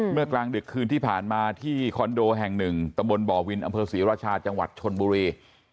กลางดึกคืนที่ผ่านมาที่คอนโดแห่งหนึ่งตำบลบ่อวินอำเภอศรีราชาจังหวัดชนบุรี